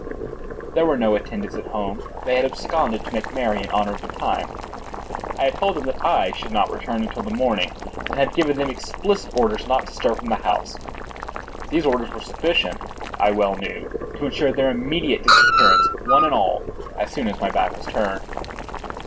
There were no attendants at home; they had absconded to make merry in honor of the time. I had told them that I should not return until the morning, and had given them explicit orders not to stir from the house. These orders were sufficient, I well knew, to insure their immediate disappearance, one and all, as soon as my back was turned.